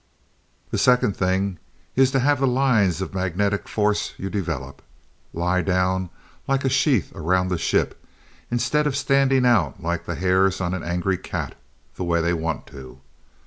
The second thing, is to have the lines of magnetic force you develop, lie down like a sheath around the ship, instead of standing out like the hairs on an angry cat, the way they want to.